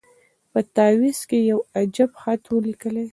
په تعویذ کي یو عجب خط وو لیکلی